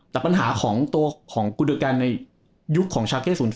แต่ปัญหาของกุลกรรมในยุคของชาวเก้๐๔